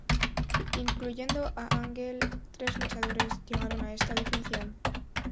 Incluyendo a Angle, tres luchadores llegaron a esta definición.